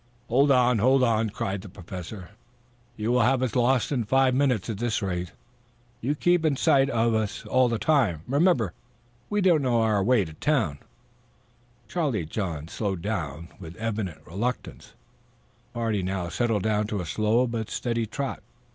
"Hold on, hold on," cried the Professor. "You will have us lost in five minutes at this rate. You keep in sight of us all the time. Remember, we do not know our way to the town." Charlie John slowed down with evident reluctance. The party now settled down to a slow but steady trot.